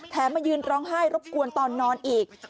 มายืนร้องไห้รบกวนตอนนอนอีก